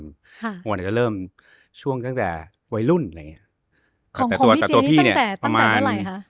ผมว่าจะเริ่มช่วงตั้งแต่วัยรุ่นแต่ตัวพี่เนี่ยประมาณ